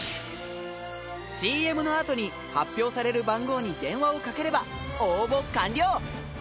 ＣＭの後に発表される番号に電話をかければ応募完了。